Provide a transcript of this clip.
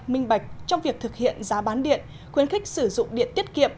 minh bạch trong việc thực hiện giá bán điện khuyến khích sử dụng điện tiết kiệm